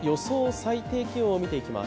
最低気温を見ていきます。